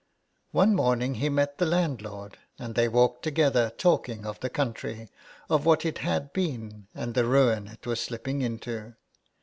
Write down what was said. One morning he met the landlord, and they walked together, talk ing of the country, of what it had been, and the ruin it was slipping into.